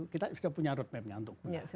kita sudah punya roadmapnya untuk